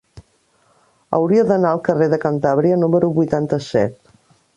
Hauria d'anar al carrer de Cantàbria número vuitanta-set.